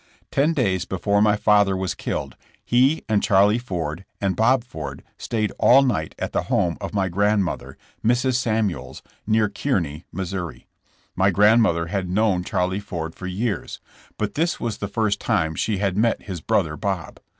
Ten days before my father was killed, he and Charlie Ford and Bob Ford stayed all night at the home of my grandmother, Mrs. Samuels, near Kearney, Mo. My grandmother had known Charlie Ford for years, but this was the first time she had met his brother. Bob.